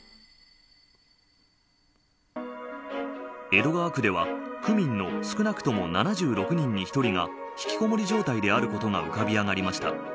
江戸川区では区民の少なくとも７６人に１人がひきこもり状態であることが浮かび上がりました。